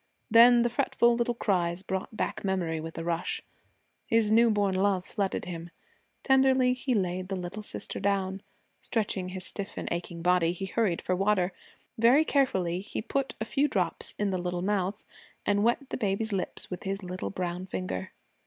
Then the fretful little cries brought back memory with a rush. His new born love flooded him. Tenderly he laid the little sister down. Stretching his stiff and aching body, he hurried for water. Very carefully he put a few drops in the little mouth and wet the baby's lips with his little brown finger.